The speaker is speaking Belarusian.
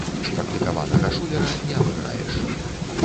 Спрактыкаванага шулера не абыграеш.